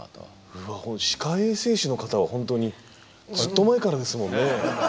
うわっ歯科衛生士の方は本当にずっと前からですもんね。